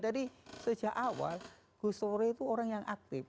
tadi sejak awal gusore itu orang yang aktif